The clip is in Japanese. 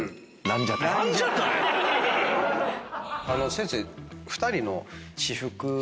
⁉先生。